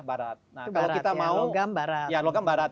barat kalau kita mau logam barat